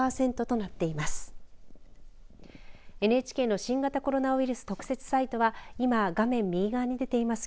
ＮＨＫの新型コロナウイルス特設サイトは今、画面右側に出ています